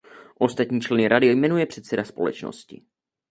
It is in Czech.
Ostatní členy rady jmenuje předseda společnosti.